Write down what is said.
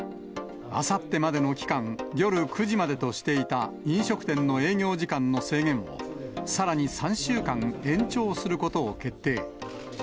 あさってまでの期間、夜９時までとしていた飲食店の営業時間の制限をさらに３週間延長することを決定。